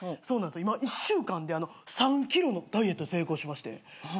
１週間で３ｋｇのダイエット成功しまして。